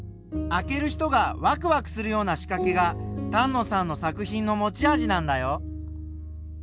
あける人がワクワクするようなしかけが丹野さんの作品の持ち味なんだよ。